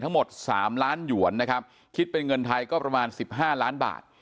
ทั้งหมด๓ล้านหยวนนะครับคิดเป็นเงินไทยก็ประมาณ๑๕ล้านบาท